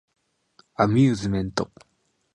アミューズメント